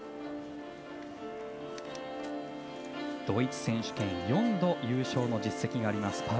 ドイツ選手権４度優勝の実績があります